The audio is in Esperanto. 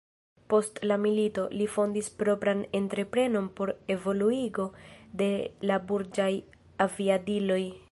Post la milito, li fondis propran entreprenon por evoluigo de la burĝaj aviadiloj.